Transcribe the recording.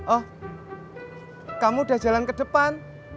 oh kamu udah jalan ke depan